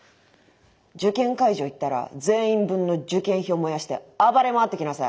受験会場行ったら全員分の受験票燃やして暴れ回ってきなさい。